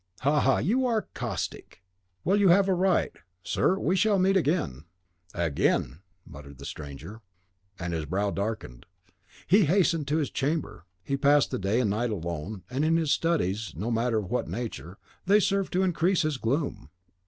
"Ha, ha! you are caustic. Well, you have a right. Sir, we shall meet again." "AGAIN!" muttered the stranger, and his brow darkened. He hastened to his chamber; he passed the day and the night alone, and in studies, no matter of what nature, they served to increase his gloom.